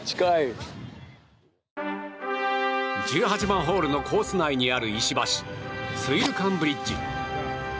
１８番ホールのコース内にある石橋スウィルカンブリッジ。